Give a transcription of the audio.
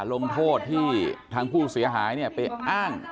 ลงโทษที่ทางผู้เสียหายไปอ้าง